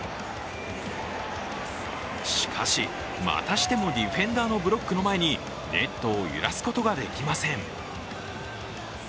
しかし、またしてもディフェンダーのブロックの前にネットを揺らすことができません。